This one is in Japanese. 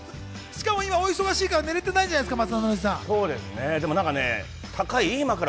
しかも今、お忙しいから寝れてないんじゃないですか？